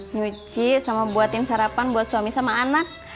nyuci sama buatin sarapan buat suami sama anak